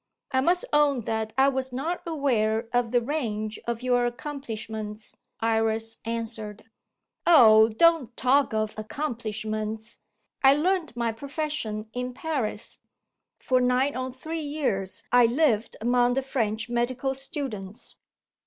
"I must own that I was not aware of the range of your accomplishments," Iris answered. "Oh, don't talk of accomplishments! I learnt my profession in Paris. For nigh on three years I lived among the French medical students.